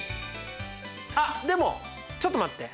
あっでもちょっと待って。